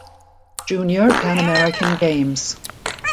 Junior Pan American Games.